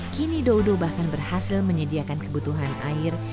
kini dodo bahkan berhasil menyediakan kebutuhan air